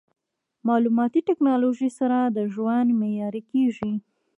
مالوماتي ټکنالوژي سره د ژوند معیاري کېږي.